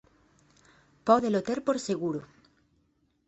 Pódelo ter por seguro.